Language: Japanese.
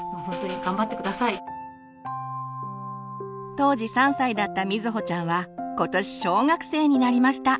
当時３歳だった瑞穂ちゃんは今年小学生になりました！